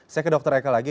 saya ke dr eka lagi